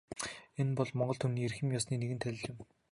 Энэ бол монгол түмний эрхэм ёсны нэгэн тайлал юм.